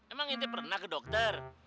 emang inti pernah ke dokter